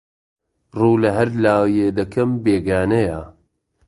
ڕوو لەهەر لایێ دەکەم بێگانەیە